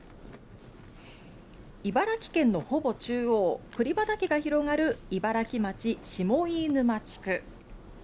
茨城県のほぼ中央、くり畑が広がる茨城町下飯沼地区。